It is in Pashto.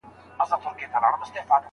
- انیس آزاد، شاعر.